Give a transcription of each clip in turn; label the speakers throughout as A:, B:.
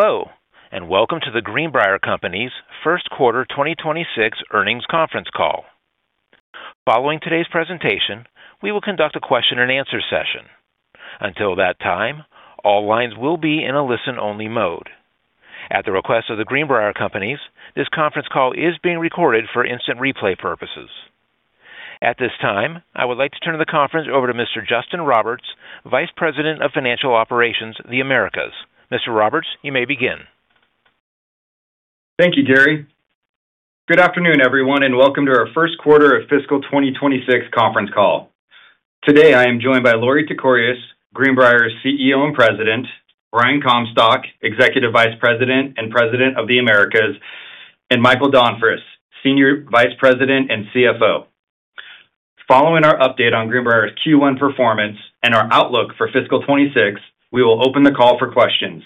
A: Hello, and welcome to The Greenbrier Companies First Quarter 2026 Earnings Conference Call. Following today's presentation, we will conduct a question-and-answer session. Until that time, all lines will be in a listen-only mode. At the request of The Greenbrier Companies, this conference call is being recorded for instant replay purposes. At this time, I would like to turn the conference over to Mr. Justin Roberts, Vice President of Financial Operations, The Americas. Mr. Roberts, you may begin.
B: Thank you, Gary. Good afternoon, everyone, and welcome to our First Quarter of Fiscal 2026 Conference Call. Today, I am joined by Lorie Tekorius, Greenbrier's CEO and President, Brian Comstock, Executive Vice President and President of The Americas, and Michael Donfris, Senior Vice President and CFO. Following our update on Greenbrier's Q1 performance and our outlook for Fiscal 26, we will open the call for questions.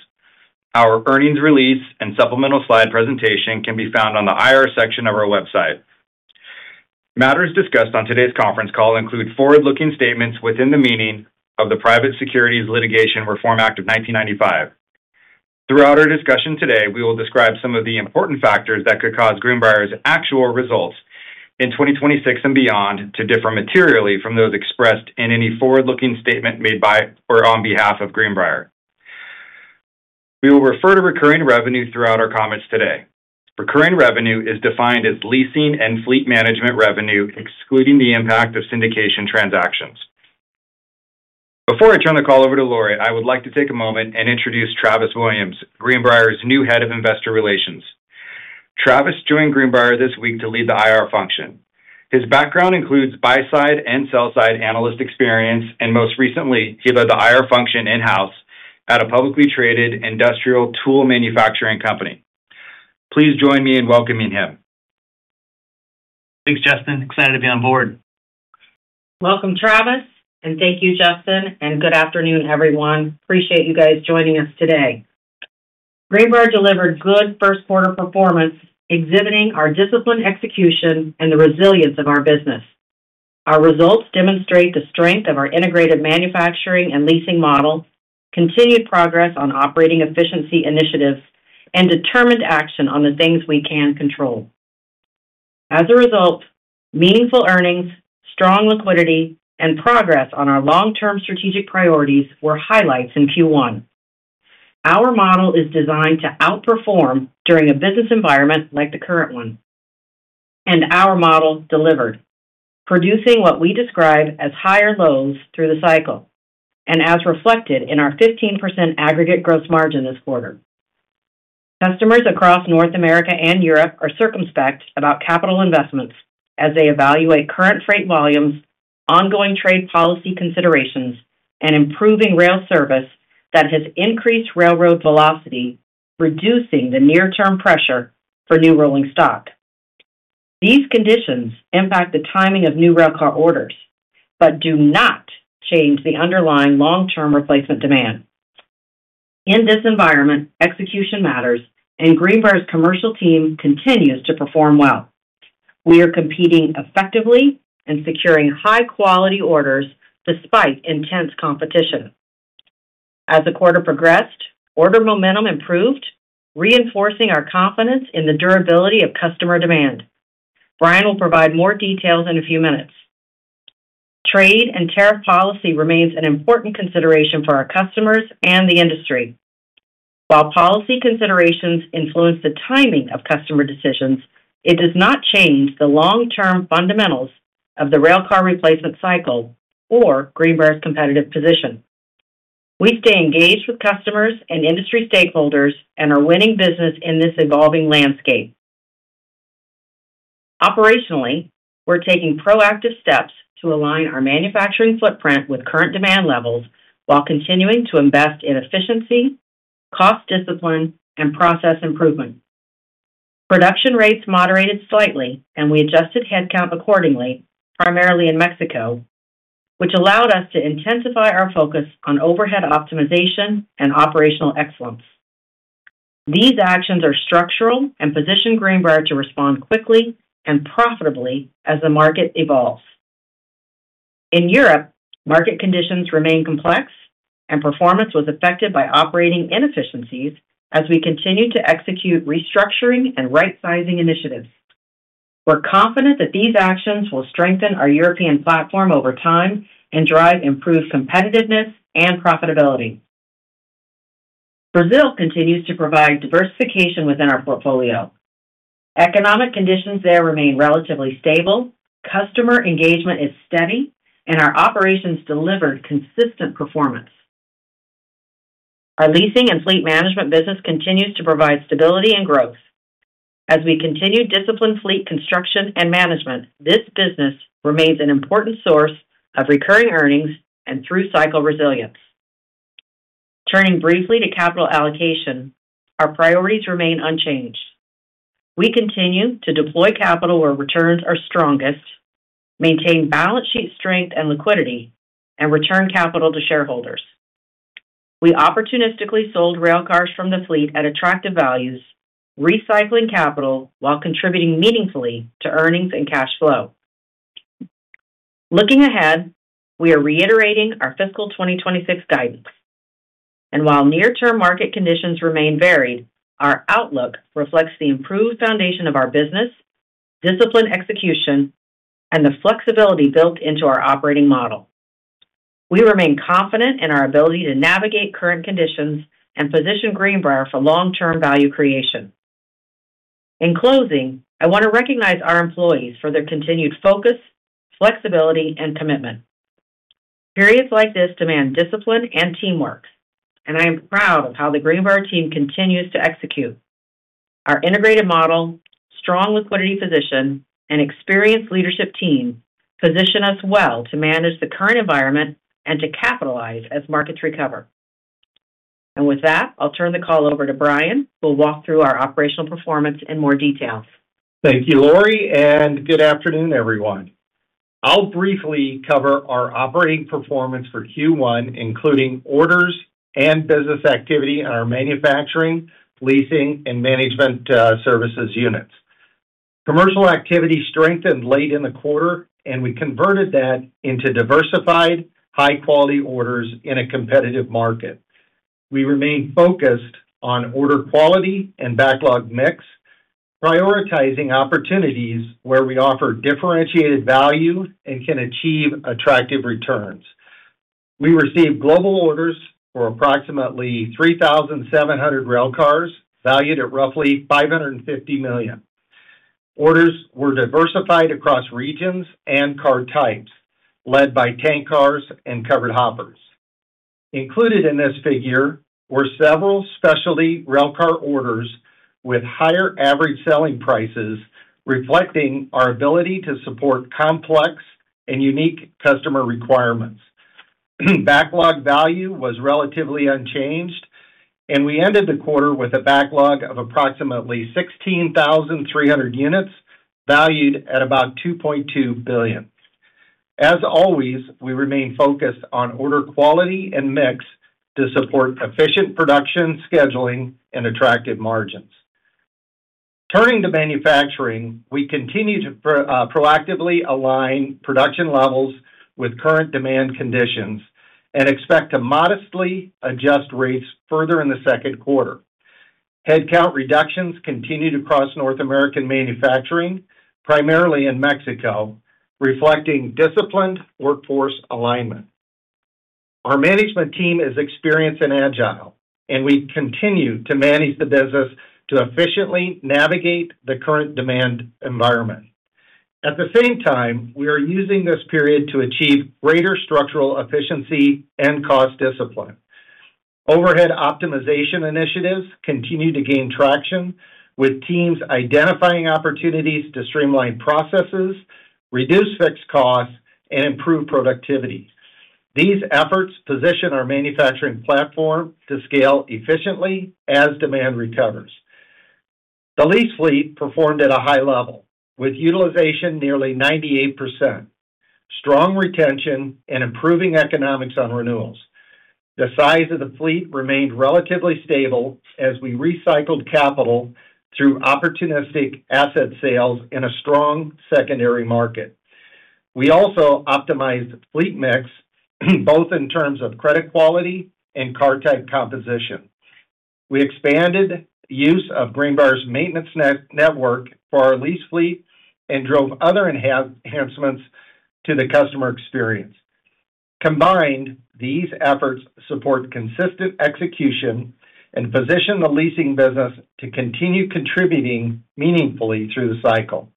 B: Our earnings release and supplemental slide presentation can be found on the IR section of our website. Matters discussed on today's conference call include forward-looking statements within the meaning of the Private Securities Litigation Reform Act of 1995. Throughout our discussion today, we will describe some of the important factors that could cause Greenbrier's actual results in 2026 and beyond to differ materially from those expressed in any forward-looking statement made by or on behalf of Greenbrier. We will refer to recurring revenue throughout our comments today. Recurring revenue is defined as leasing and fleet management revenue, excluding the impact of syndication transactions. Before I turn the call over to Lorie, I would like to take a moment and introduce Travis Williams, Greenbrier's new Head of Investor Relations. Travis joined Greenbrier this week to lead the IR function. His background includes buy-side and sell-side analyst experience, and most recently, he led the IR function in-house at a publicly traded industrial tool manufacturing company. Please join me in welcoming him.
C: Thanks, Justin. Excited to be on board.
D: Welcome, Travis, and thank you, Justin. And good afternoon, everyone. Appreciate you guys joining us today. Greenbrier delivered good first-quarter performance, exhibiting our discipline execution and the resilience of our business. Our results demonstrate the strength of our integrated manufacturing and leasing model, continued progress on operating efficiency initiatives, and determined action on the things we can control. As a result, meaningful earnings, strong liquidity, and progress on our long-term strategic priorities were highlights in Q1. Our model is designed to outperform during a business environment like the current one. And our model delivered, producing what we describe as higher lows through the cycle, and as reflected in our 15% aggregate gross margin this quarter. Customers across North America and Europe are circumspect about capital investments as they evaluate current freight volumes, ongoing trade policy considerations, and improving rail service that has increased railroad velocity, reducing the near-term pressure for new rolling stock. These conditions impact the timing of new railcar orders but do not change the underlying long-term replacement demand. In this environment, execution matters, and Greenbrier's commercial team continues to perform well. We are competing effectively and securing high-quality orders despite intense competition. As the quarter progressed, order momentum improved, reinforcing our confidence in the durability of customer demand. Brian will provide more details in a few minutes. Trade and tariff policy remains an important consideration for our customers and the industry. While policy considerations influence the timing of customer decisions, it does not change the long-term fundamentals of the railcar replacement cycle or Greenbrier's competitive position. We stay engaged with customers and industry stakeholders and are winning business in this evolving landscape. Operationally, we're taking proactive steps to align our manufacturing footprint with current demand levels while continuing to invest in efficiency, cost discipline, and process improvement. Production rates moderated slightly, and we adjusted headcount accordingly, primarily in Mexico, which allowed us to intensify our focus on overhead optimization and operational excellence. These actions are structural and position Greenbrier to respond quickly and profitably as the market evolves. In Europe, market conditions remain complex, and performance was affected by operating inefficiencies as we continue to execute restructuring and right-sizing initiatives. We're confident that these actions will strengthen our European platform over time and drive improved competitiveness and profitability. Brazil continues to provide diversification within our portfolio. Economic conditions there remain relatively stable, customer engagement is steady, and our operations delivered consistent performance. Our leasing and fleet management business continues to provide stability and growth. As we continue disciplined fleet construction and management, this business remains an important source of recurring earnings and through-cycle resilience. Turning briefly to capital allocation, our priorities remain unchanged. We continue to deploy capital where returns are strongest, maintain balance sheet strength and liquidity, and return capital to shareholders. We opportunistically sold railcars from the fleet at attractive values, recycling capital while contributing meaningfully to earnings and cash flow. Looking ahead, we are reiterating our Fiscal 2026 guidance, and while near-term market conditions remain varied, our outlook reflects the improved foundation of our business, disciplined execution, and the flexibility built into our operating model. We remain confident in our ability to navigate current conditions and position Greenbrier for long-term value creation. In closing, I want to recognize our employees for their continued focus, flexibility, and commitment. Periods like this demand discipline and teamwork, and I am proud of how the Greenbrier team continues to execute. Our integrated model, strong liquidity position, and experienced leadership team position us well to manage the current environment and to capitalize as markets recover. And with that, I'll turn the call over to Brian, who will walk through our operational performance in more detail.
E: Thank you, Lorie, and good afternoon, everyone. I'll briefly cover our operating performance for Q1, including orders and business activity in our manufacturing, leasing, and management services units. Commercial activity strengthened late in the quarter, and we converted that into diversified, high-quality orders in a competitive market. We remain focused on order quality and backlog mix, prioritizing opportunities where we offer differentiated value and can achieve attractive returns. We received global orders for approximately 3,700 railcars valued at roughly $550 million. Orders were diversified across regions and car types, led by tank cars and covered hoppers. Included in this figure were several specialty railcar orders with higher average selling prices, reflecting our ability to support complex and unique customer requirements. Backlog value was relatively unchanged, and we ended the quarter with a backlog of approximately 16,300 units valued at about $2.2 billion. As always, we remain focused on order quality and mix to support efficient production scheduling and attractive margins. Turning to manufacturing, we continue to proactively align production levels with current demand conditions and expect to modestly adjust rates further in the second quarter. Headcount reductions continue to across North American manufacturing, primarily in Mexico, reflecting disciplined workforce alignment. Our management team is experienced and agile, and we continue to manage the business to efficiently navigate the current demand environment. At the same time, we are using this period to achieve greater structural efficiency and cost discipline. Overhead optimization initiatives continue to gain traction, with teams identifying opportunities to streamline processes, reduce fixed costs, and improve productivity. These efforts position our manufacturing platform to scale efficiently as demand recovers. The lease fleet performed at a high level, with utilization nearly 98%, strong retention, and improving economics on renewals. The size of the fleet remained relatively stable as we recycled capital through opportunistic asset sales in a strong secondary market. We also optimized fleet mix, both in terms of credit quality and car type composition. We expanded use of Greenbrier's maintenance network for our lease fleet and drove other enhancements to the customer experience. Combined, these efforts support consistent execution and position the leasing business to continue contributing meaningfully through the cycle.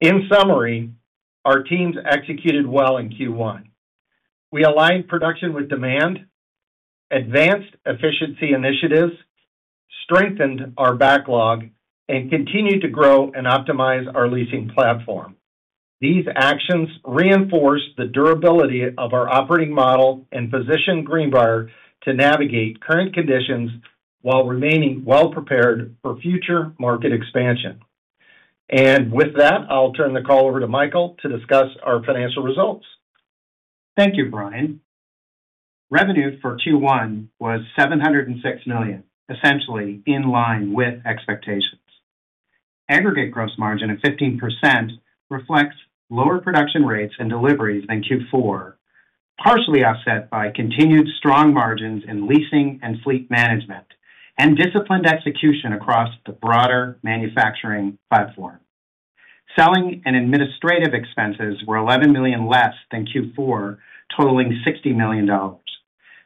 E: In summary, our teams executed well in Q1. We aligned production with demand, advanced efficiency initiatives, strengthened our backlog, and continued to grow and optimize our leasing platform. These actions reinforced the durability of our operating model and positioned Greenbrier to navigate current conditions while remaining well-prepared for future market expansion. And with that, I'll turn the call over to Michael to discuss our financial results.
F: Thank you, Brian. Revenue for Q1 was $706 million, essentially in line with expectations. Aggregate gross margin of 15% reflects lower production rates and deliveries than Q4, partially offset by continued strong margins in leasing and fleet management and disciplined execution across the broader manufacturing platform. Selling and administrative expenses were $11 million less than Q4, totaling $60 million.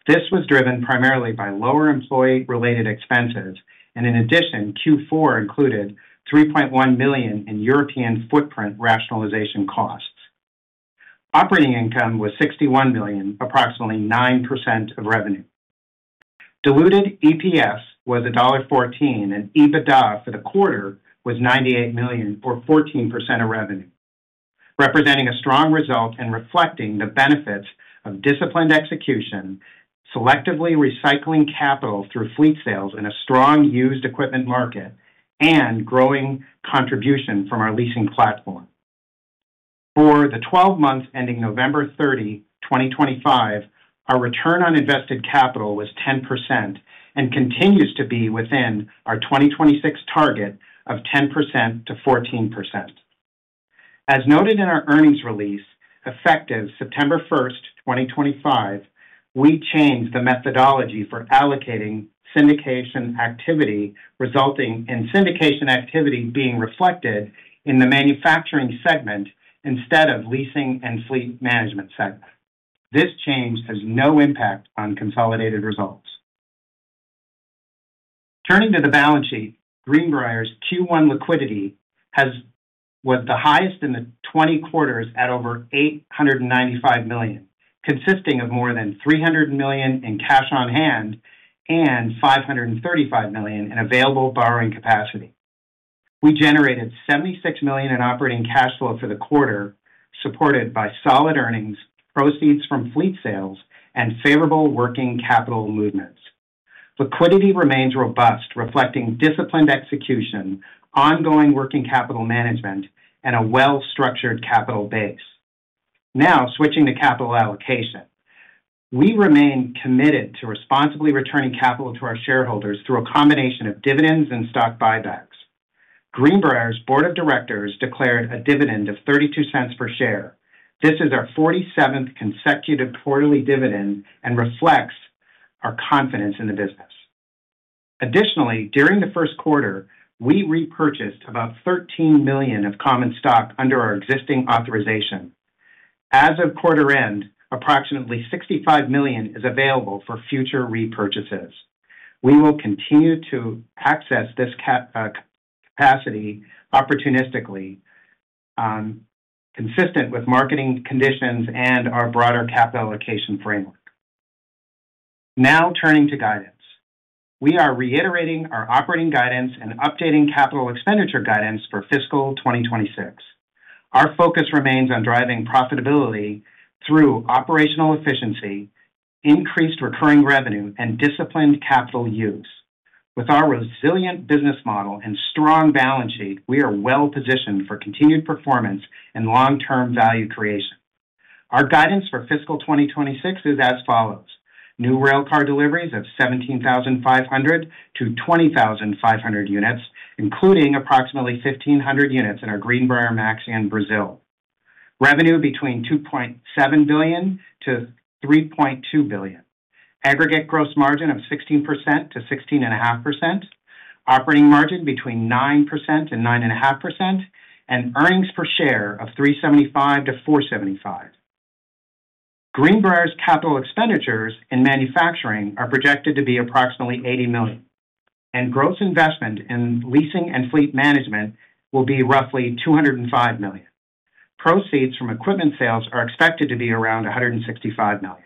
F: This was driven primarily by lower employee-related expenses, and in addition, Q4 included $3.1 million in European footprint rationalization costs. Operating income was $61 million, approximately 9% of revenue. Diluted EPS was $1.14, and EBITDA for the quarter was $98 million, or 14% of revenue, representing a strong result and reflecting the benefits of disciplined execution, selectively recycling capital through fleet sales in a strong used equipment market and growing contribution from our leasing platform. For the 12 months ending November 30, 2025, our return on invested capital was 10% and continues to be within our 2026 target of 10%-14%. As noted in our earnings release effective September 1, 2025, we changed the methodology for allocating syndication activity, resulting in syndication activity being reflected in the manufacturing segment instead of leasing and fleet management segment. This change has no impact on consolidated results. Turning to the balance sheet, Greenbrier's Q1 liquidity was the highest in the 20 quarters at over $895 million, consisting of more than $300 million in cash on hand and $535 million in available borrowing capacity. We generated $76 million in operating cash flow for the quarter, supported by solid earnings, proceeds from fleet sales, and favorable working capital movements. Liquidity remains robust, reflecting disciplined execution, ongoing working capital management, and a well-structured capital base. Now, switching to capital allocation, we remain committed to responsibly returning capital to our shareholders through a combination of dividends and stock buybacks. Greenbrier's board of directors declared a dividend of $0.32 per share. This is our 47th consecutive quarterly dividend and reflects our confidence in the business. Additionally, during the first quarter, we repurchased about $13 million of common stock under our existing authorization. As of quarter end, approximately $65 million is available for future repurchases. We will continue to access this capacity opportunistically, consistent with market conditions and our broader capital allocation framework. Now, turning to guidance, we are reiterating our operating guidance and updating capital expenditure guidance for Fiscal 2026. Our focus remains on driving profitability through operational efficiency, increased recurring revenue, and disciplined capital use. With our resilient business model and strong balance sheet, we are well-positioned for continued performance and long-term value creation. Our guidance for Fiscal 2026 is as follows: new railcar deliveries of 17,500-20,500 units, including approximately 1,500 units in our Greenbrier Maxion in Brazil. Revenue between $2.7-$3.2 billion. Aggregate gross margin of 16%-16.5%. Operating margin between 9% and 9.5%. And earnings per share of $375-$475. Greenbrier's capital expenditures in manufacturing are projected to be approximately $80 million, and gross investment in leasing and fleet management will be roughly $205 million. Proceeds from equipment sales are expected to be around $165 million.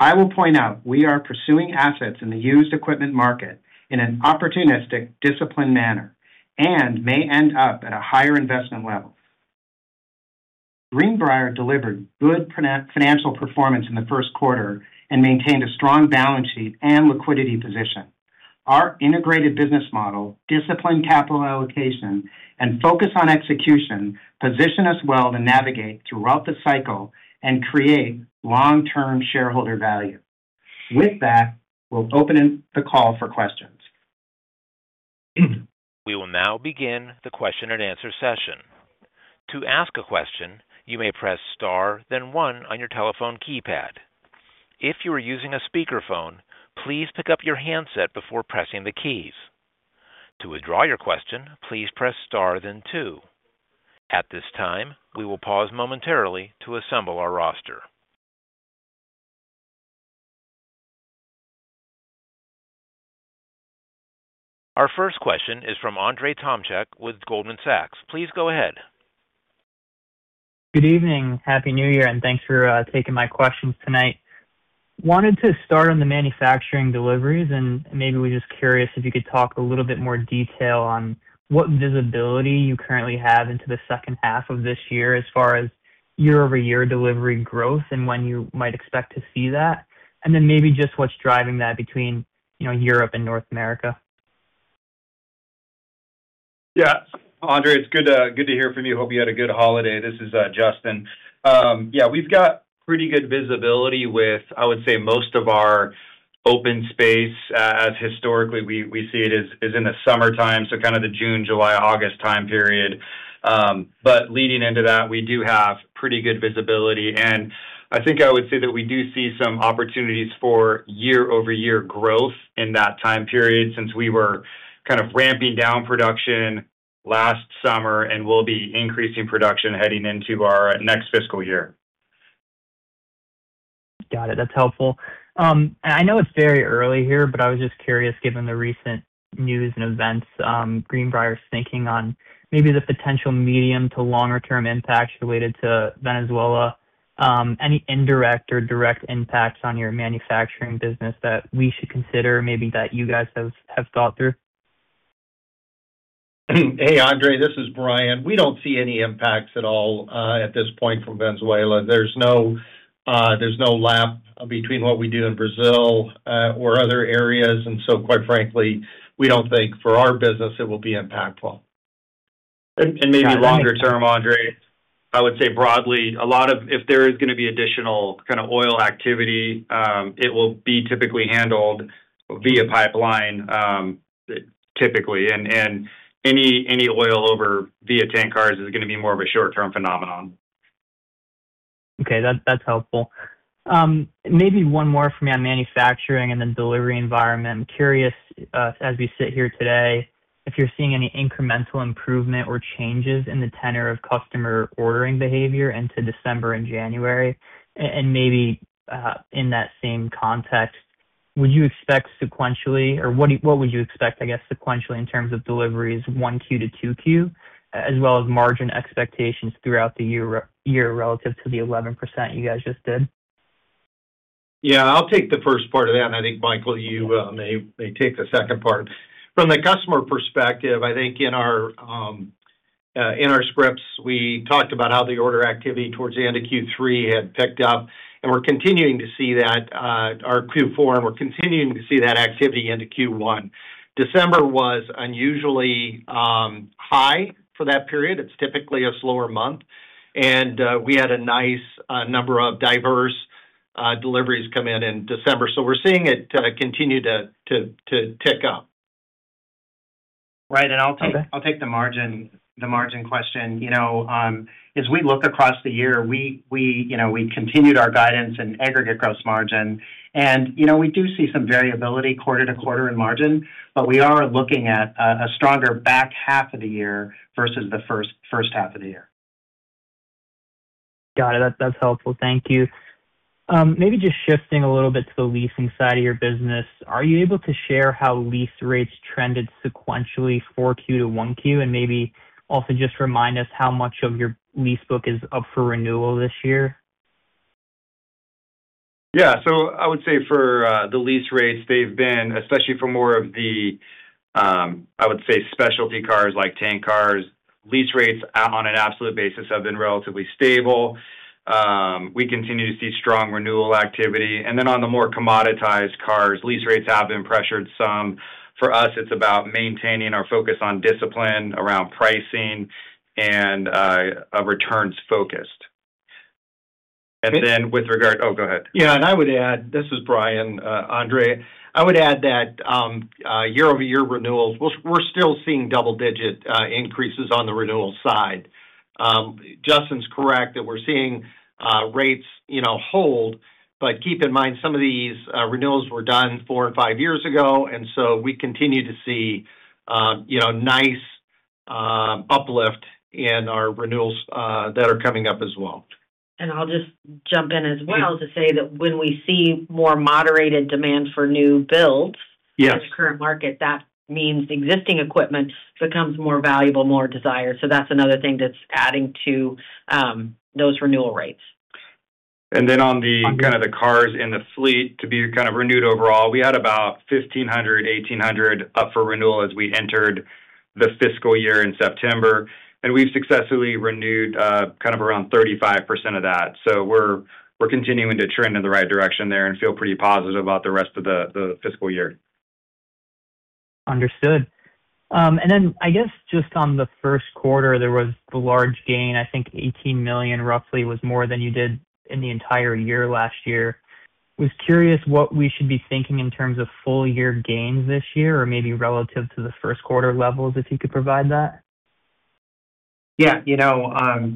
F: I will point out we are pursuing assets in the used equipment market in an opportunistic, disciplined manner and may end up at a higher investment level. Greenbrier delivered good financial performance in the first quarter and maintained a strong balance sheet and liquidity position. Our integrated business model, disciplined capital allocation, and focus on execution position us well to navigate throughout the cycle and create long-term shareholder value. With that, we'll open the call for questions.
A: We will now begin the question-and-answer session. To ask a question, you may press star, then one on your telephone keypad. If you are using a speakerphone, please pick up your handset before pressing the keys. To withdraw your question, please press star, then two. At this time, we will pause momentarily to assemble our roster. Our first question is from Andrzej Tomczyk with Goldman Sachs. Please go ahead.
G: Good evening. Happy New Year, and thanks for taking my questions tonight. Wanted to start on the manufacturing deliveries, and maybe we're just curious if you could talk a little bit more detail on what visibility you currently have into the second half of this year as far as year-over-year delivery growth and when you might expect to see that, and then maybe just what's driving that between Europe and North America?
B: Yeah. Andrzej, it's good to hear from you. Hope you had a good holiday. This is Justin. Yeah, we've got pretty good visibility with, I would say, most of our open space as historically we see it is in the summertime, so kind of the June, July, August time period. But leading into that, we do have pretty good visibility. And I think I would say that we do see some opportunities for year-over-year growth in that time period since we were kind of ramping down production last summer and will be increasing production heading into our next fiscal year.
G: Got it. That's helpful. And I know it's very early here, but I was just curious, given the recent news and events, Greenbrier's thinking on maybe the potential medium to longer-term impacts related to Venezuela. Any indirect or direct impacts on your manufacturing business that we should consider maybe that you guys have thought through?
E: Hey, Andrzej, this is Brian. We don't see any impacts at all at this point from Venezuela. There's no overlap between what we do in Brazil or other areas. And so, quite frankly, we don't think for our business it will be impactful. And maybe longer-term, Andrzej, I would say broadly, but if there is going to be additional kind of oil activity, it will be typically handled via pipeline. And any oil moved via tank cars is going to be more of a short-term phenomenon.
G: Okay. That's helpful. Maybe one more from me on manufacturing and then delivery environment. I'm curious, as we sit here today, if you're seeing any incremental improvement or changes in the tenor of customer ordering behavior into December and January. And maybe in that same context, would you expect sequentially, or what would you expect, I guess, sequentially in terms of deliveries, Q1 to Q2, as well as margin expectations throughout the year relative to the 11% you guys just did?
B: Yeah. I'll take the first part of that. And I think, Michael, you may take the second part. From the customer perspective, I think in our scripts, we talked about how the order activity towards the end of Q3 had picked up, and we're continuing to see that. Our Q4, and we're continuing to see that activity into Q1. December was unusually high for that period. It's typically a slower month. And we had a nice number of diverse deliveries come in December. So we're seeing it continue to tick up.
F: Right. And I'll take the margin question. As we look across the year, we continued our guidance on aggregate gross margin. And we do see some variability quarter to quarter in margin, but we are looking at a stronger back half of the year versus the first half of the year.
G: Got it. That's helpful. Thank you. Maybe just shifting a little bit to the leasing side of your business, are you able to share how lease rates trended sequentially for Q1 to Q2 and maybe also just remind us how much of your lease book is up for renewal this year?
B: Yeah. So I would say for the lease rates, they've been, especially for more of the, I would say, specialty cars like tank cars, lease rates on an absolute basis have been relatively stable. We continue to see strong renewal activity. And then on the more commoditized cars, lease rates have been pressured some. For us, it's about maintaining our focus on discipline around pricing and a returns-focused. And then with regard - oh, go ahead. Yeah. And I would add - this is Brian, Andrzej - I would add that year-over-year renewals, we're still seeing double-digit increases on the renewal side. Justin's correct that we're seeing rates hold, but keep in mind some of these renewals were done four and five years ago. And so we continue to see nice uplift in our renewals that are coming up as well.
D: And I'll just jump in as well to say that when we see more moderated demand for new builds in the current market, that means existing equipment becomes more valuable, more desired. So that's another thing that's adding to those renewal rates.
B: And then on the kind of the cars in the fleet to be kind of renewed overall, we had about 1,500-1,800 up for renewal as we entered the fiscal year in September. And we've successfully renewed kind of around 35% of that. So we're continuing to trend in the right direction there and feel pretty positive about the rest of the fiscal year.
G: Understood. And then I guess just on the first quarter, there was the large gain. I think $18 million, roughly, was more than you did in the entire year last year. I was curious what we should be thinking in terms of full-year gains this year or maybe relative to the first quarter levels if you could provide that.
F: Yeah.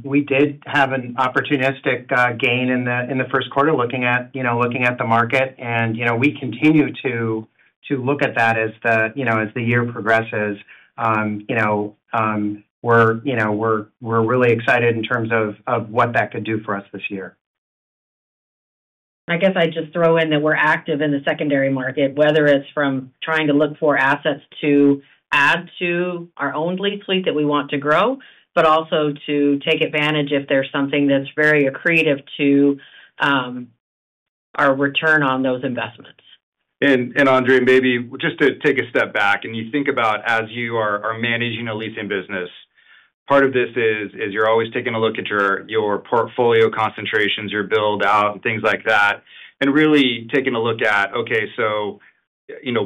F: We did have an opportunistic gain in the first quarter looking at the market. And we continue to look at that as the year progresses. We're really excited in terms of what that could do for us this year. I guess I'd just throw in that we're active in the secondary market, whether it's from trying to look for assets to add to our own lease fleet that we want to grow, but also to take advantage if there's something that's very accretive to our return on those investments.
B: Andrzej, maybe just to take a step back and you think about as you are managing a leasing business, part of this is you're always taking a look at your portfolio concentrations, your build-out, and things like that, and really taking a look at, okay, so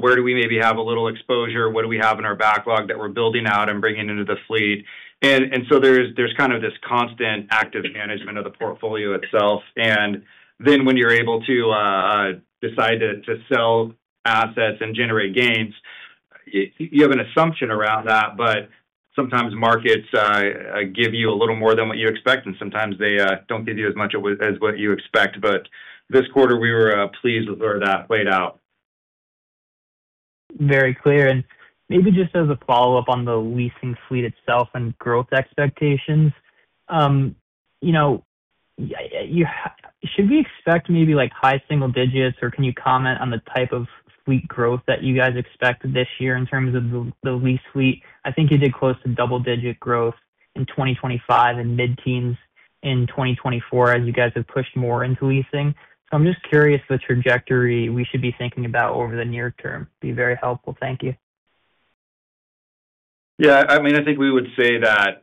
B: where do we maybe have a little exposure? What do we have in our backlog that we're building out and bringing into the fleet? And so there's kind of this constant active management of the portfolio itself. And then when you're able to decide to sell assets and generate gains, you have an assumption around that, but sometimes markets give you a little more than what you expect, and sometimes they don't give you as much as what you expect. But this quarter, we were pleased with where that played out.
G: Very clear. And maybe just as a follow-up on the leasing fleet itself and growth expectations, should we expect maybe high single digits, or can you comment on the type of fleet growth that you guys expected this year in terms of the lease fleet? I think you did close to double-digit growth in 2025 and mid-teens in 2024 as you guys have pushed more into leasing. So I'm just curious the trajectory we should be thinking about over the near term. Be very helpful. Thank you.
B: Yeah. I mean, I think we would say that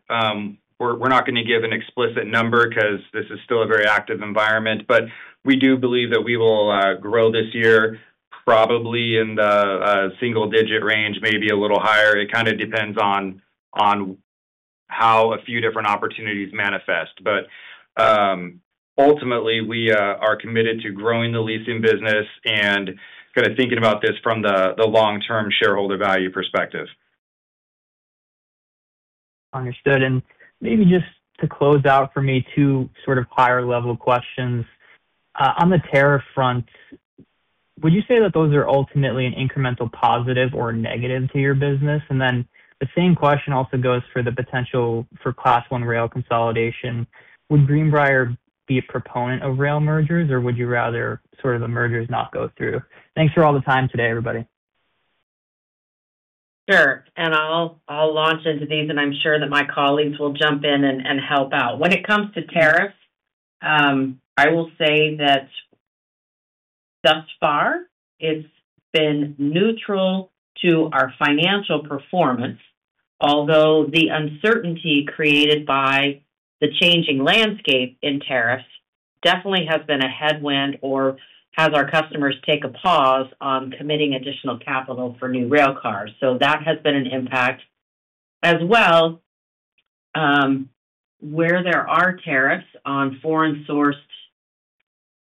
B: we're not going to give an explicit number because this is still a very active environment, but we do believe that we will grow this year probably in the single-digit range, maybe a little higher. It kind of depends on how a few different opportunities manifest. But ultimately, we are committed to growing the leasing business and kind of thinking about this from the long-term shareholder value perspective.
G: Understood. And maybe just to close out for me two sort of higher-level questions. On the tariff front, would you say that those are ultimately an incremental positive or negative to your business? And then the same question also goes for the potential for Class 1 rail consolidation. Would Greenbrier be a proponent of rail mergers, or would you rather sort of the mergers not go through? Thanks for all the time today, everybody.
D: Sure, and I'll launch into these, and I'm sure that my colleagues will jump in and help out. When it comes to tariffs, I will say that thus far, it's been neutral to our financial performance, although the uncertainty created by the changing landscape in tariffs definitely has been a headwind or has our customers take a pause on committing additional capital for new rail cars, so that has been an impact. As well, where there are tariffs on foreign-sourced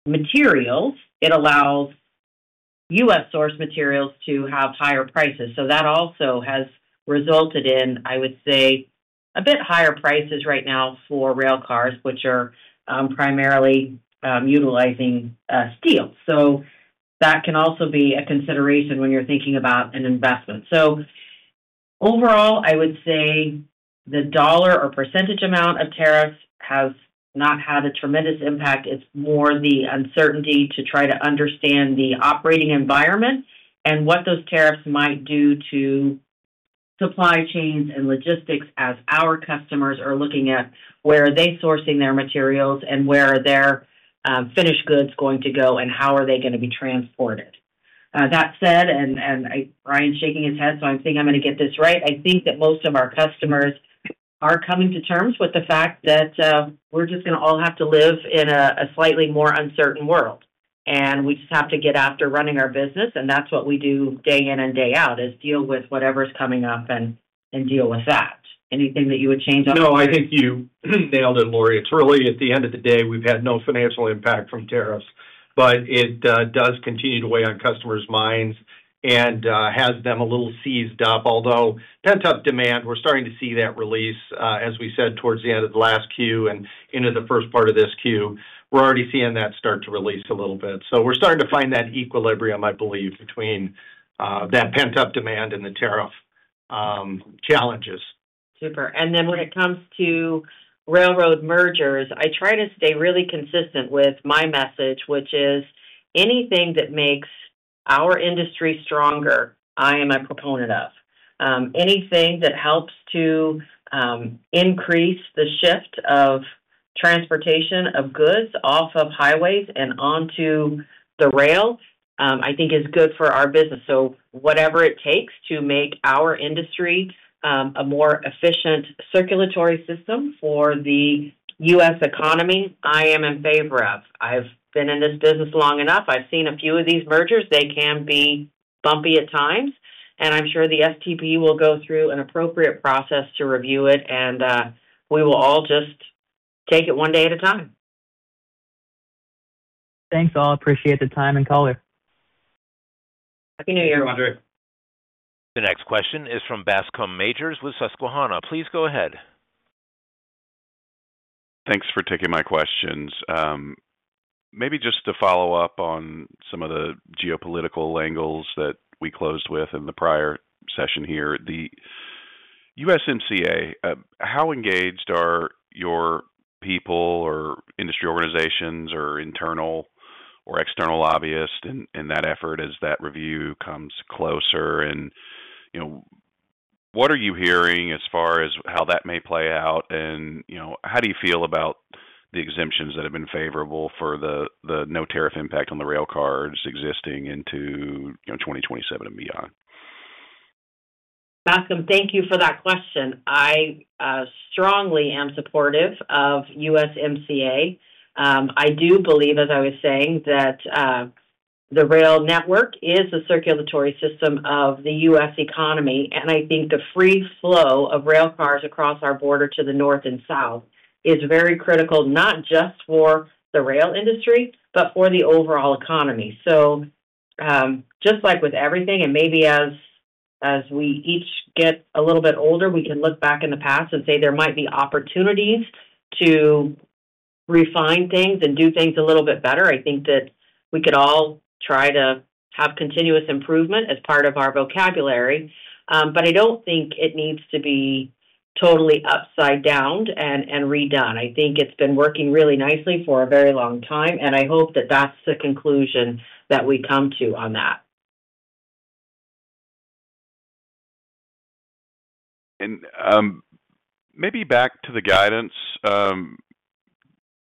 D: materials, it allows U.S.-sourced materials to have higher prices. So that also has resulted in, I would say, a bit higher prices right now for rail cars, which are primarily utilizing steel, so that can also be a consideration when you're thinking about an investment, so overall, I would say the dollar or percentage amount of tariffs has not had a tremendous impact. It's more the uncertainty to try to understand the operating environment and what those tariffs might do to supply chains and logistics as our customers are looking at where are they sourcing their materials and where are their finished goods going to go and how are they going to be transported. That said, and Brian's shaking his head, so I'm thinking I'm going to get this right. I think that most of our customers are coming to terms with the fact that we're just going to all have to live in a slightly more uncertain world, and we just have to get after running our business, and that's what we do day in and day out is deal with whatever's coming up and deal with that. Anything that you would change on that?
E: No, I think you nailed it, Lorie. It's really, at the end of the day, we've had no financial impact from tariffs, but it does continue to weigh on customers' minds and has them a little seized up. Although pent-up demand, we're starting to see that release, as we said, towards the end of the last Q and into the first part of this Q. We're already seeing that start to release a little bit. So we're starting to find that equilibrium, I believe, between that pent-up demand and the tariff challenges.
D: Super. And then when it comes to railroad mergers, I try to stay really consistent with my message, which is anything that makes our industry stronger, I am a proponent of. Anything that helps to increase the shift of transportation of goods off of highways and onto the rail, I think is good for our business. So whatever it takes to make our industry a more efficient circulatory system for the U.S. economy, I am in favor of. I've been in this business long enough. I've seen a few of these mergers. They can be bumpy at times. And I'm sure the STB will go through an appropriate process to review it, and we will all just take it one day at a time.
G: Thanks, all. Appreciate the time and caller.
D: Happy New Year, Andrzej.
A: The next question is from Bascome Majors with Susquehanna. Please go ahead.
H: Thanks for taking my questions. Maybe just to follow up on some of the geopolitical angles that we closed with in the prior session here. The USMCA, how engaged are your people or industry organizations or internal or external lobbyists in that effort as that review comes closer? And what are you hearing as far as how that may play out? And how do you feel about the exemptions that have been favorable for the no tariff impact on the rail cars extending into 2027 and beyond?
D: Bascome, thank you for that question. I strongly am supportive of USMCA. I do believe, as I was saying, that the rail network is a circulatory system of the U.S. economy. I think the free flow of rail cars across our border to the north and south is very critical, not just for the rail industry, but for the overall economy. Just like with everything, and maybe as we each get a little bit older, we can look back in the past and say there might be opportunities to refine things and do things a little bit better. I think that we could all try to have continuous improvement as part of our vocabulary. I don't think it needs to be totally upside down and redone. I think it's been working really nicely for a very long time, and I hope that that's the conclusion that we come to on that.
H: And maybe back to the guidance.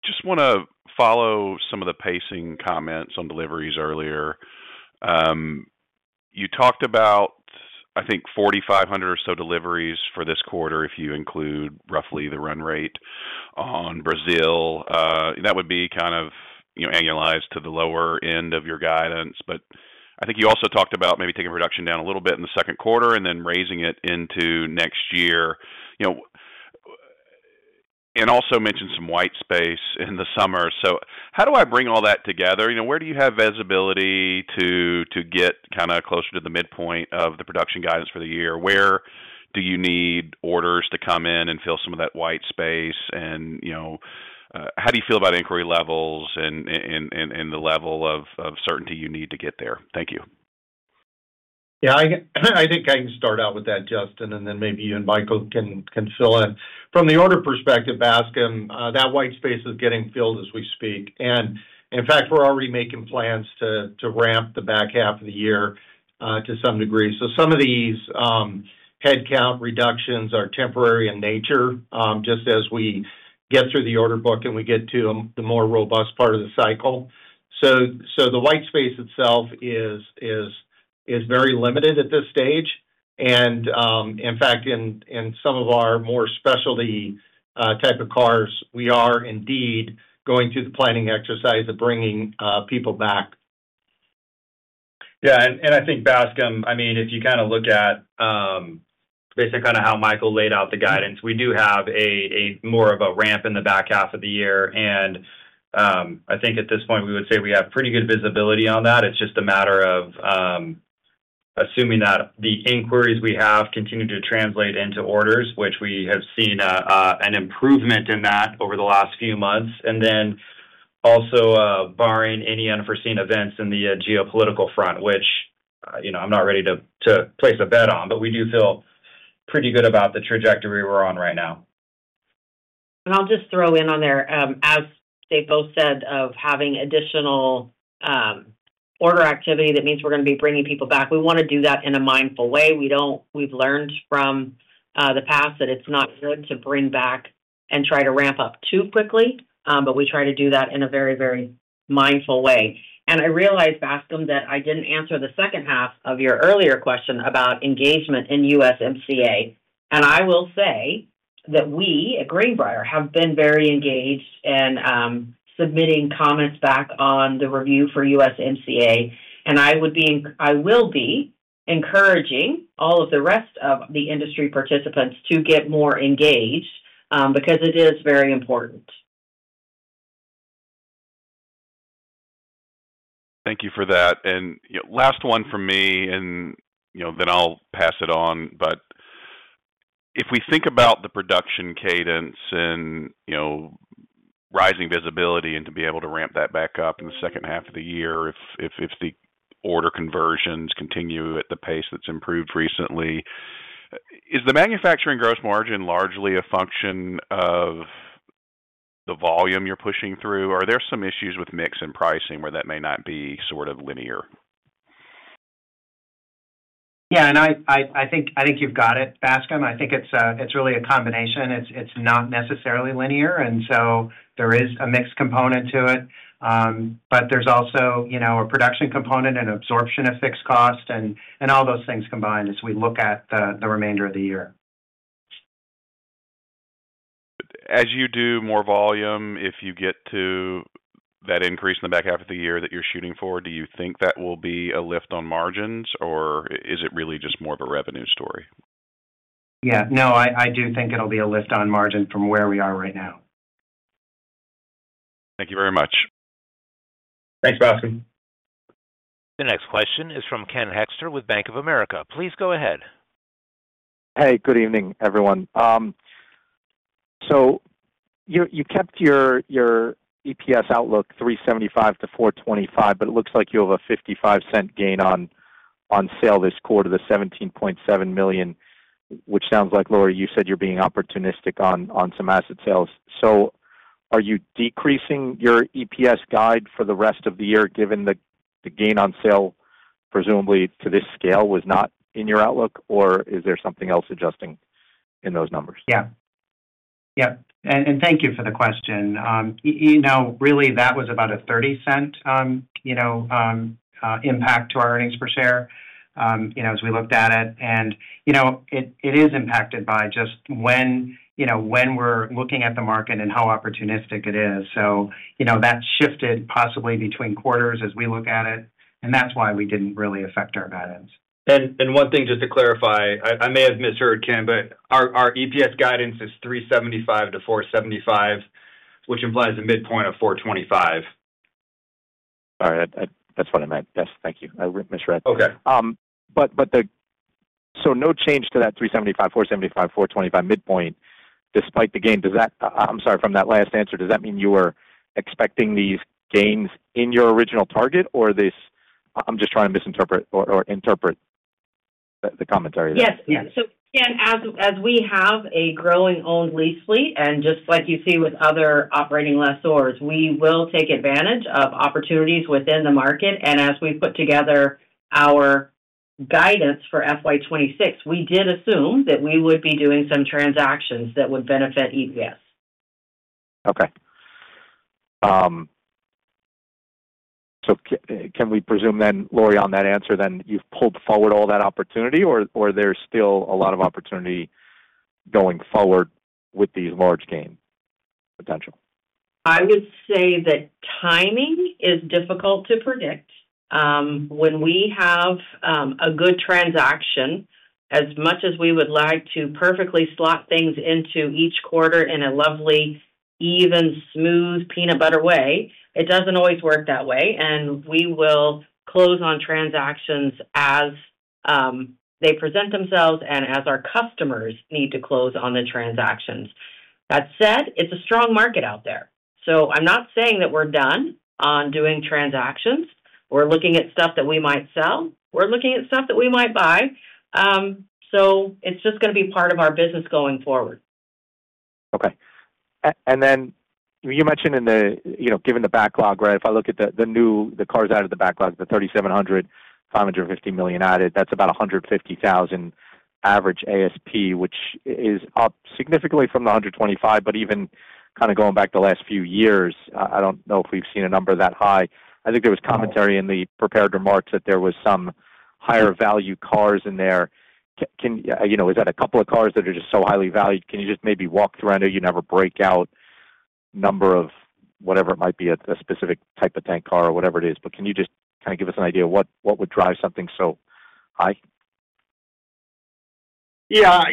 H: Just want to follow some of the pacing comments on deliveries earlier. You talked about, I think, 4,500 or so deliveries for this quarter if you include roughly the run rate on Brazil. That would be kind of annualized to the lower end of your guidance. But I think you also talked about maybe taking production down a little bit in the second quarter and then raising it into next year and also mentioned some white space in the summer. So how do I bring all that together? Where do you have visibility to get kind of closer to the midpoint of the production guidance for the year? Where do you need orders to come in and fill some of that white space? And how do you feel about inquiry levels and the level of certainty you need to get there? Thank you.
E: Yeah. I think I can start out with that, Justin, and then maybe you and Michael can fill in. From the order perspective, Bascome, that white space is getting filled as we speak. And in fact, we're already making plans to ramp the back half of the year to some degree. So some of these headcount reductions are temporary in nature just as we get through the order book and we get to the more robust part of the cycle. So the white space itself is very limited at this stage. And in fact, in some of our more specialty type of cars, we are indeed going through the planning exercise of bringing people back. Yeah.
B: I think, Bascome, I mean, if you kind of look at basically kind of how Michael laid out the guidance, we do have more of a ramp in the back half of the year. And I think at this point, we would say we have pretty good visibility on that. It's just a matter of assuming that the inquiries we have continue to translate into orders, which we have seen an improvement in that over the last few months. And then also barring any unforeseen events in the geopolitical front, which I'm not ready to place a bet on, but we do feel pretty good about the trajectory we're on right now.
D: I'll just throw in on there, as they both said, of having additional order activity, that means we're going to be bringing people back. We want to do that in a mindful way. We've learned from the past that it's not good to bring back and try to ramp up too quickly, but we try to do that in a very, very mindful way. I realized, Bascome, that I didn't answer the second half of your earlier question about engagement in USMCA. I will say that we at Greenbrier have been very engaged in submitting comments back on the review for USMCA. I will be encouraging all of the rest of the industry participants to get more engaged because it is very important.
H: Thank you for that. And last one from me, and then I'll pass it on. But if we think about the production cadence and rising visibility and to be able to ramp that back up in the second half of the year if the order conversions continue at the pace that's improved recently, is the manufacturing gross margin largely a function of the volume you're pushing through? Are there some issues with mix and pricing where that may not be sort of linear?
B: Yeah. And I think you've got it, Bascome. I think it's really a combination. It's not necessarily linear. And so there is a mixed component to it, but there's also a production component and absorption of fixed costs and all those things combined as we look at the remainder of the year.
H: As you do more volume, if you get to that increase in the back half of the year that you're shooting for, do you think that will be a lift on margins, or is it really just more of a revenue story?
B: Yeah. No, I do think it'll be a lift on margin from where we are right now.
H: Thank you very much.
B: Thanks, Bascome.
A: The next question is from Ken Hoexter with Bank of America. Please go ahead.
I: Hey, good evening, everyone. So you kept your EPS outlook $3.75-$4.25, but it looks like you have a $0.55 gain on sale this quarter to $17.7 million, which sounds like, Lorie, you said you're being opportunistic on some asset sales. So are you decreasing your EPS guide for the rest of the year given the gain on sale presumably to this scale was not in your outlook, or is there something else adjusting in those numbers?
F: Yeah. Yep, and thank you for the question. Really, that was about a $0.30 impact to our earnings per share as we looked at it. And it is impacted by just when we're looking at the market and how opportunistic it is. So that shifted possibly between quarters as we look at it, and that's why we didn't really affect our guidance.
B: One thing, just to clarify, I may have misheard, Ken, but our EPS guidance is $3.75-$4.75, which implies a midpoint of $4.25.
I: Sorry. That's what I meant. Yes. Thank you. I misread.
B: Okay.
I: But so, no change to that 375, 475, 425 midpoint despite the gain. I'm sorry, from that last answer, does that mean you were expecting these gains in your original target, or I'm just trying to misinterpret or interpret the commentary there?
D: Yes. Yes. So again, as we have a growing-owned lease fleet, and just like you see with other operating lessors, we will take advantage of opportunities within the market. And as we put together our guidance for FY26, we did assume that we would be doing some transactions that would benefit EPS.
I: Can we presume then, Lorie, on that answer, then you've pulled forward all that opportunity, or there's still a lot of opportunity going forward with these large gain potential?
D: I would say that timing is difficult to predict. When we have a good transaction, as much as we would like to perfectly slot things into each quarter in a lovely, even, smooth peanut butter way, it doesn't always work that way, and we will close on transactions as they present themselves and as our customers need to close on the transactions. That said, it's a strong market out there, so I'm not saying that we're done on doing transactions. We're looking at stuff that we might sell. We're looking at stuff that we might buy, so it's just going to be part of our business going forward.
I: Okay, and then you mentioned given the backlog, right, if I look at the cars out of the backlog, the 3,700, $550 million added, that's about $150,000 average ASP, which is up significantly from the 125, but even kind of going back the last few years, I don't know if we've seen a number that high. I think there was commentary in the prepared remarks that there were some higher-value cars in there. Is that a couple of cars that are just so highly valued? Can you just maybe walk through? I know you never break out a number of whatever it might be, a specific type of tank car or whatever it is, but can you just kind of give us an idea of what would drive something so high?
E: Yeah.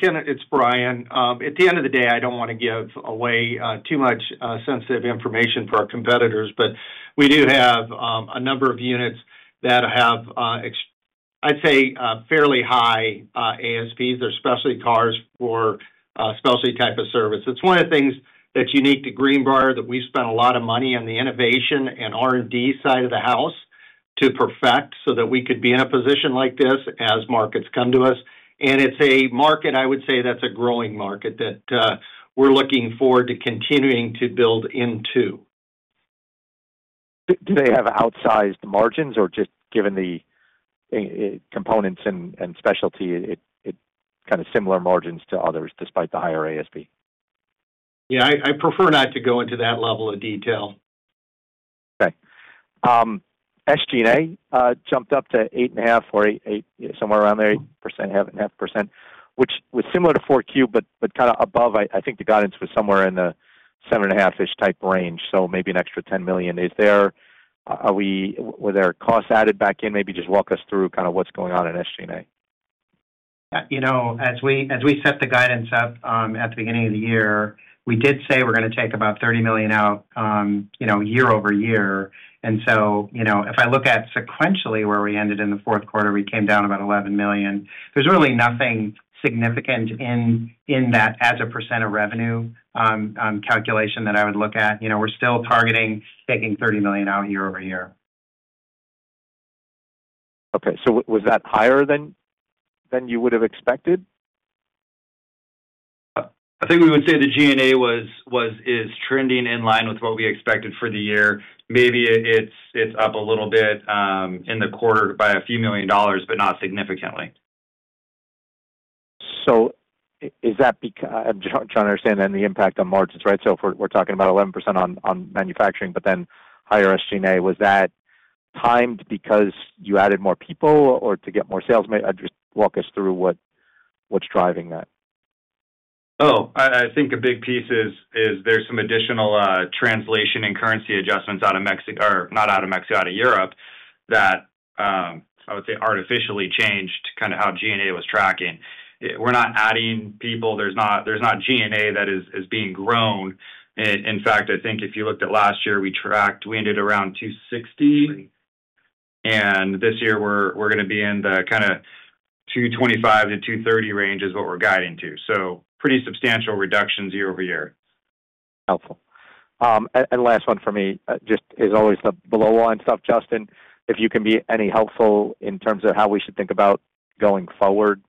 E: Ken, it's Brian. At the end of the day, I don't want to give away too much sensitive information for our competitors, but we do have a number of units that have, I'd say, fairly high ASPs. They're specialty cars for specialty type of service. It's one of the things that's unique to Greenbrier that we spent a lot of money on the innovation and R&D side of the house to perfect so that we could be in a position like this as markets come to us, and it's a market, I would say, that's a growing market that we're looking forward to continuing to build into.
I: Do they have outsized margins or just given the components and specialty, kind of similar margins to others despite the higher ASP?
E: Yeah. I prefer not to go into that level of detail.
I: Okay. SG&A jumped up to 8.5% or somewhere around there, 8%, 7.5%, which was similar to 4Q, but kind of above. I think the guidance was somewhere in the 7.5%-ish type range, so maybe an extra $10 million. Were there costs added back in? Maybe just walk us through kind of what's going on in SG&A.
F: As we set the guidance up at the beginning of the year, we did say we're going to take about $30 million out year-over-year, and so if I look at sequentially where we ended in the fourth quarter, we came down about $11 million. There's really nothing significant in that as a % of revenue calculation that I would look at. We're still targeting taking $30 million out year-over-year.
I: Okay, so was that higher than you would have expected?
B: I think we would say the G&A is trending in line with what we expected for the year. Maybe it's up a little bit in the quarter by a few million dollars, but not significantly.
I: So is that trying to understand then the impact on margins, right? So if we're talking about 11% on manufacturing, but then higher SG&A, was that timed because you added more people or to get more sales? Walk us through what's driving that.
B: Oh, I think a big piece is there's some additional translation and currency adjustments out of Mexico or not out of Mexico, out of Europe that I would say artificially changed kind of how G&A was tracking. We're not adding people. There's not G&A that is being grown. In fact, I think if you looked at last year, we tracked we ended around 260, and this year, we're going to be in the kind of 225-230 range is what we're guiding to. So pretty substantial reductions year-over-year.
I: Helpful. And last one for me just is always the below-the-line stuff, Justin. If you can be any helpful in terms of how we should think about going forward,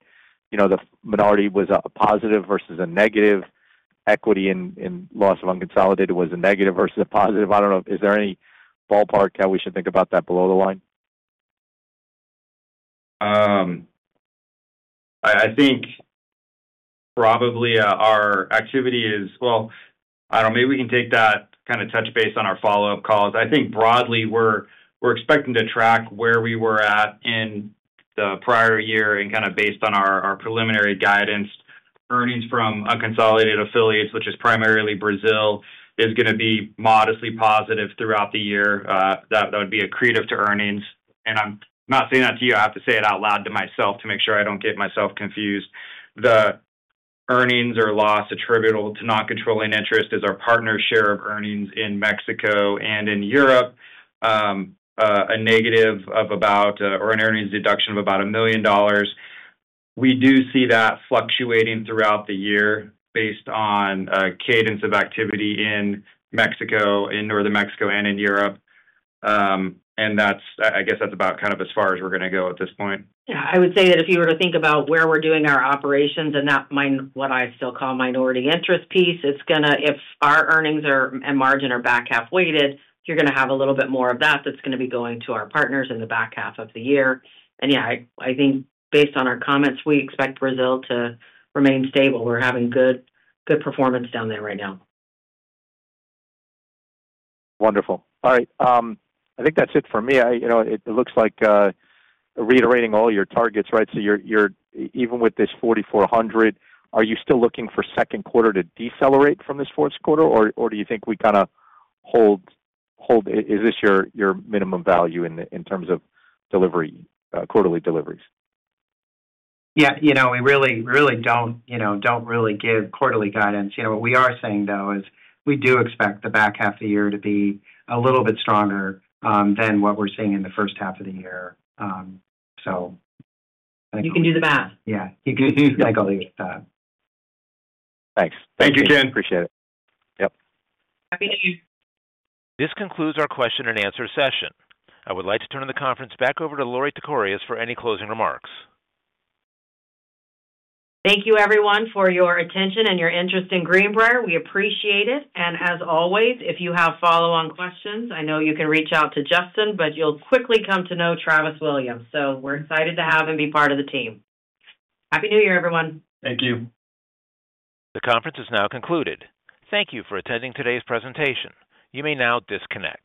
I: the minority was a positive versus a negative. Equity in loss of unconsolidated was a negative versus a positive. I don't know. Is there any ballpark how we should think about that below the line?
B: I think probably our activity is well, I don't know. Maybe we can take that kind of touch base on our follow-up calls. I think broadly, we're expecting to track where we were at in the prior year and kind of based on our preliminary guidance. Earnings from unconsolidated affiliates, which is primarily Brazil, is going to be modestly positive throughout the year. That would be a credit to earnings. And I'm not saying that to you. I have to say it out loud to myself to make sure I don't get myself confused. The earnings or loss attributable to non-controlling interest is our partner share of earnings in Mexico and in Europe, a negative of about or an earnings deduction of about $1 million. We do see that fluctuating throughout the year based on cadence of activity in Mexico, in Northern Mexico, and in Europe. I guess that's about kind of as far as we're going to go at this point.
D: Yeah. I would say that if you were to think about where we're doing our operations and what I still call minority interest piece, if our earnings and margin are back half weighted, you're going to have a little bit more of that that's going to be going to our partners in the back half of the year. And yeah, I think based on our comments, we expect Brazil to remain stable. We're having good performance down there right now.
I: Wonderful. All right. I think that's it for me. It looks like reiterating all your targets, right? So even with this 4,400, are you still looking for second quarter to decelerate from this fourth quarter, or do you think we kind of hold? Is this your minimum value in terms of quarterly deliveries?
F: Yeah. We really don't give quarterly guidance. What we are saying, though, is we do expect the back half of the year to be a little bit stronger than what we're seeing in the first half of the year. So.
D: You can do the math.
F: Yeah. I can do the math.
I: Thanks.
B: Thank you, Ken.
I: Appreciate it. Yep.
D: Happy New Year.
A: This concludes our question and answer session. I would like to turn the conference back over to Lorie Tekorius for any closing remarks.
D: Thank you, everyone, for your attention and your interest in Greenbrier. We appreciate it. And as always, if you have follow-on questions, I know you can reach out to Justin, but you'll quickly come to know Travis Williams. So we're excited to have him be part of the team. Happy New Year, everyone.
B: Thank you.
A: The conference is now concluded. Thank you for attending today's presentation. You may now disconnect.